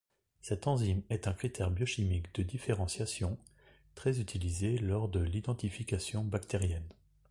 Cette enzyme est un critère biochimique de différenciation très utilisé lors de l'identification bactérienne.